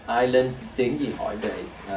ai lên tiếng gì hỏi về